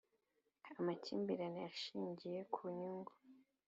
Amakimbirane ashingiye ku nyungu